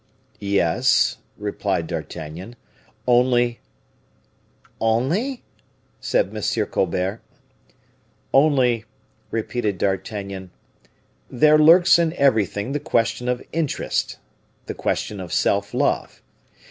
"Yes," replied D'Artagnan; "only " "Only?" said M. Colbert. "Only," repeated D'Artagnan, "there lurks in everything the question of interest, the question of self love.